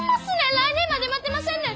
来年まで待てませんねん！